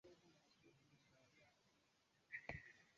ni musukumo wa kuendeleza kwa kulijenga taifa dhabiti